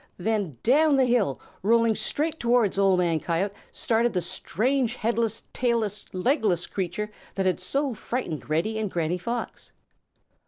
Then down the hill, rolling straight towards Old Man Coyote, started the strange, headless, tailess, legless creature that had so frightened Reddy and Granny Fox.